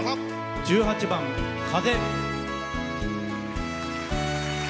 １８番「風」。